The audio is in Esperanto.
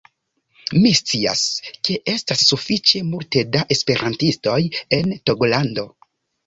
Mi scias, ke estas sufiĉe multe da esperantistoj en Togolando